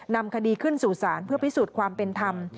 นำคดีขึ้นสู่ศาลเพื่อพิสูจน์ความเป็นธรรม